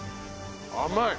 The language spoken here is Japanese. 甘い！